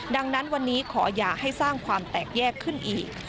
ดังนั้นวันนี้ขออย่าให้สร้างความแตกแยกขึ้นอีก